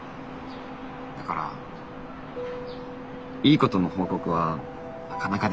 だからいいことの報告はなかなかできなかったんだけど。